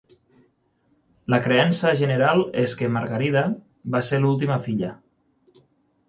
La creença general és que Margarida va ser l'última filla.